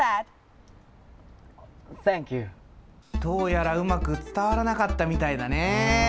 どうやらうまく伝わらなかったみたいだね。